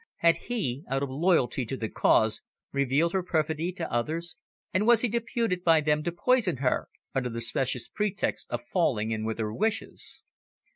Had he, out of loyalty to the Cause, revealed her perfidy to the others, and was he deputed by them to poison her, under the specious pretext of falling in with her wishes?